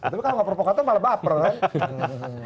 tapi kalau nggak provokator malah baper kan